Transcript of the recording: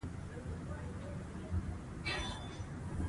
هنر هغه پټه خزانه ده چې د انسان په باطن کې نغښتې وي.